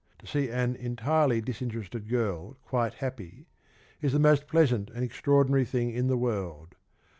To see an entirely disinterested girl quite happy is the most pleasant and extraordinary thing in the world.